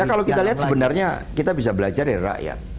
karena kalau kita lihat sebenarnya kita bisa belajar dari rakyat